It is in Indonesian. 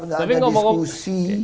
tidak ada diskusi